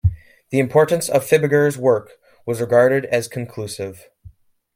The importance of Fibiger's work was regarded as conclusive.